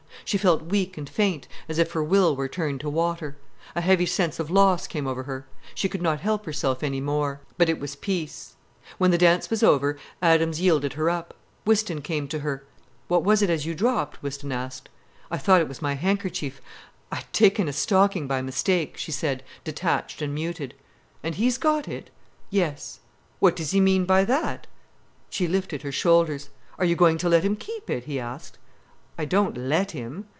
She felt weak and faint, as if her will were turned to water. A heavy sense of loss came over her. She could not help herself anymore. But it was peace. When the dance was over, Adams yielded her up. Whiston came to her. "What was it as you dropped?" Whiston asked. "I thought it was my handkerchief—I'd taken a stocking by mistake," she said, detached and muted. "And he's got it?" "Yes." "What does he mean by that?" She lifted her shoulders. "Are you going to let him keep it?" he asked. "I don't let him."